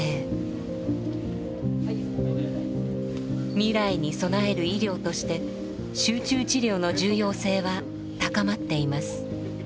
未来に備える医療として集中治療の重要性は高まっています。